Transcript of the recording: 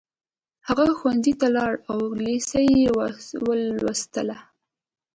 هغه ښوونځي ته لاړ او لېسه يې ولوسته